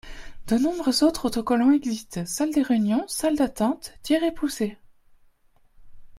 De nombreux autres autocollants existent : salle de réunion, salle d’attente, tirez-poussez...